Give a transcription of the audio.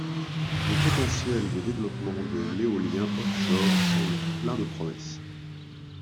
Le potentiel de développement de l'éolien offshore semble plein de promesses.